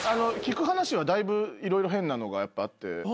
聞く話はだいぶ色々変なのがやっぱあって。